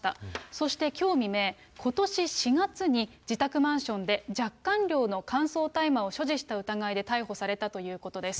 そしてきょう未明、ことし４月に自宅マンションで若干量の乾燥大麻を所持した疑いで逮捕されたということです。